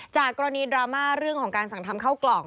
จากกรณีดราม่าเรื่องของการสั่งทำเข้ากล่อง